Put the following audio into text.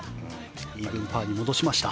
イーブンパーに戻しました。